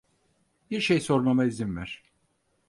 Bir şey sormama izin ver.